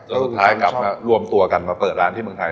แล้วสุดท้ายกลับมารวมตัวกันมาเปิดร้านที่เมืองไทย